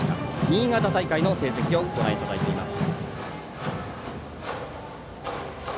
新潟大会の成績をご覧いただいています。